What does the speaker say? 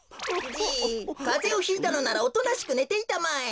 じいかぜをひいたのならおとなしくねていたまえ。